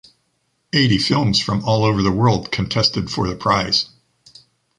Eighty films from all over the world contested for the prize.